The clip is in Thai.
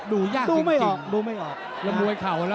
ดูยากจริงดูไม่ออกดูไม่ออก